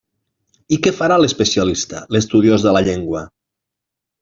I què farà l'especialista, l'estudiós de la llengua?